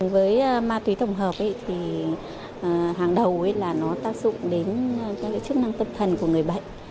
với ma tươi tổng hợp hàng đầu tác dụng đến chức năng tâm thần của người bệnh